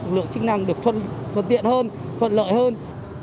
lực lượng chức năng được thuận tiện hơn thuận lợi hơn